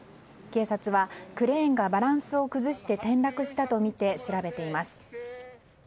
警察はクレーンがバランスを崩して転落したとみて調べています。